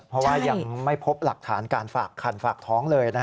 เพราะว่ายังไม่พบหลักฐานการฝากคันฝากท้องเลย